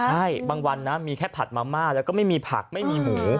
ใช่บางวันนะมีแค่ผัดมาม่าแล้วก็ไม่มีผักไม่มีหมู